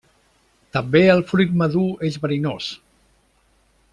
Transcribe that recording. També el fruit madur és verinós.